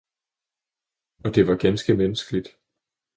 Og det var ganske menneskeligt!